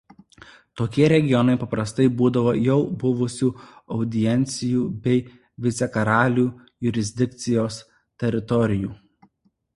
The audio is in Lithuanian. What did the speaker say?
Tokie regionai paprastai būdavo už jau buvusių audiencijų bei vicekaralių jurisdikcijos teritorijų.